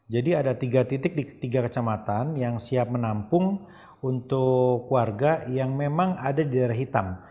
jadi ada tiga titik di tiga kecamatan yang siap menampung untuk keluarga yang memang ada di daerah hitam